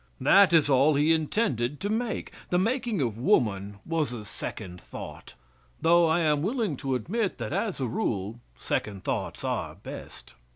That is all He intended to make. The making of woman was a second thought, though I am willing to admit that as a rule second thoughts are best.